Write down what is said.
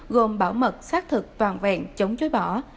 gồm bảo mật xác thực toàn vẹn chống chối bỏ